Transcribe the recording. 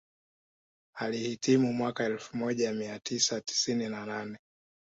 Alihitimu mwaka elfu moja mia tisa tisini na nane